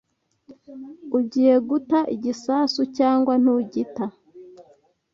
Ugiye guta igisasu cyangwa ntugita